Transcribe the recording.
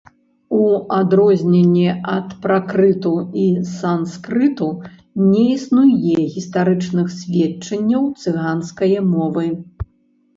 У адрозненне ад пракрыту і санскрыту, не існуе гістарычных сведчанняў цыганскае мовы.